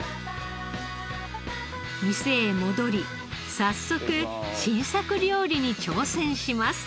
店へ戻り早速新作料理に挑戦します。